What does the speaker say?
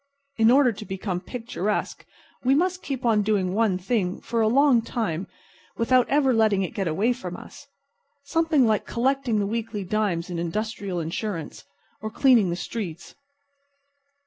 In order to become picturesque we must keep on doing one thing for a long time without ever letting it get away from us. Something like collecting the weekly dimes in industrial insurance. Or cleaning the streets.